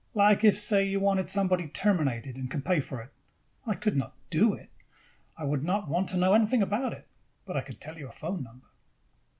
Like if, say, you wanted somebody terminated and could pay for it, I could not do it. I would not want to know anything about it. But I could tell you a phone number."